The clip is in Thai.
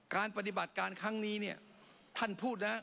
การปฏิบัติการครั้งนี้เนี่ยท่านพูดนะ